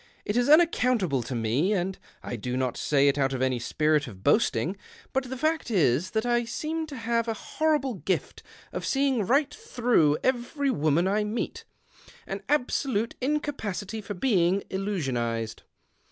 It is unaccountable to me, and I do not say it out of any spirit of boasting, ]jut the fact is that I seem to have a horrible gift of seeing right through every woman I meet — an absolute incapacity for being illusionized.